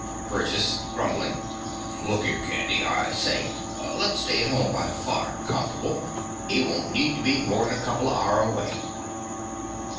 BURGESS (grumbling). Look 'ere, Candy! I say! Let's stay at home by the fire, comfortable. He won't need to be more'n a couple o' hour away.